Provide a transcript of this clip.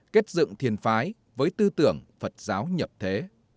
kết dựng thiền phái với tư tưởng phật giáo nhập thế